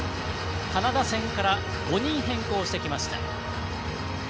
カナダ戦から５人変更してきました。